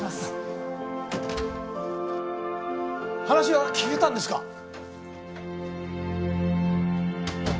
話は聞けたんですか？